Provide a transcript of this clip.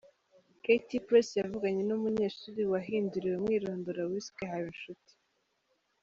KtPress yavuganye n’umunyeshuli wahinduriwe umwirondoro wiswe Habinshuti.